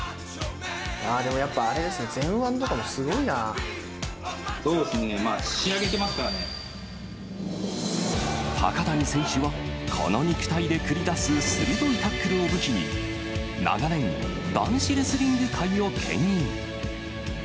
でもやっぱあれですね、そうですね、仕上げてますか高谷選手は、この肉体で繰り出す鋭いタックルを武器に、長年、男子レスリング界をけん引。